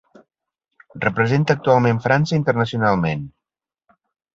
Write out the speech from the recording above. Representa actualment França internacionalment.